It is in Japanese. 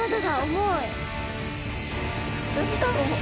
重い。